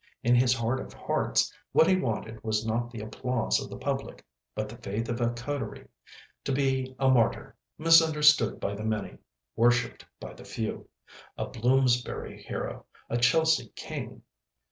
In his heart of hearts, what he wanted was not the applause of the public, but the faith of a coterie, to be a martyr, misunderstood by the many, worshipped by the few. A Bloomsbury hero, a Chelsea King!